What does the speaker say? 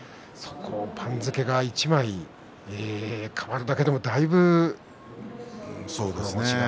番付が一枚変わるだけでもだいぶ心持ちが。